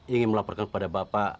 ingin melaporkan kepada bapak